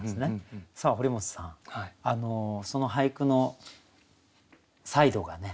さあ堀本さんその俳句のサイドがね